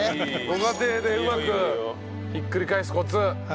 ご家庭でうまくひっくり返すコツ。